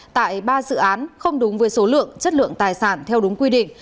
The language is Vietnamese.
tại ba dự án không đúng với số lượng chất lượng tài sản theo đúng quy định